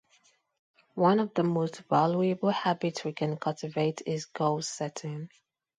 One of the most valuable habits we can cultivate is goal setting.